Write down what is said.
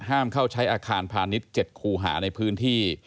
ห้ามเข้าใช้อาคารพาณิชย์๗คูหาในพื้นที่